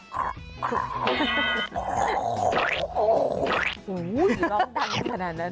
โอ้โหร้องดังขนาดนั้น